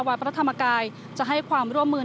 วัดพระธรรมกายจะให้ความร่วมมือ